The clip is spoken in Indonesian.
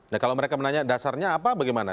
nah kalau mereka menanya dasarnya apa bagaimana